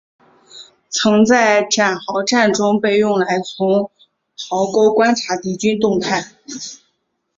曾在堑壕战中被用来从壕沟观察敌军动态。